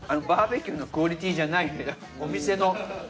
バーベキューのクオリティーじゃないお店の。